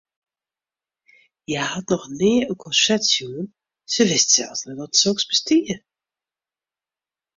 Hja hat noch nea in korset sjoen, se wist sels net dat soks bestie.